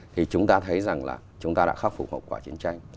thì chúng ta thấy rằng là chúng ta đã khắc phục hậu quả chiến tranh